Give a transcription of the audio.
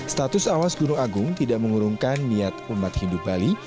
status awas gunung agung tidak mengurungkan niat umat hindu bali